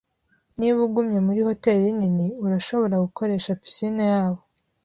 Niba ugumye muri hoteri nini, urashobora gukoresha pisine yabo.